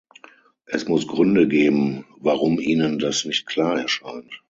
Es muss Gründe geben, warum Ihnen das nicht klar erscheint.